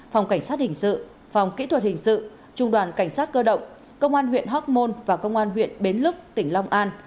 phòng cảnh sát hình sự phòng kỹ thuật hình sự trung đoàn cảnh sát cơ động công an huyện hóc môn và công an huyện bến lức tỉnh long an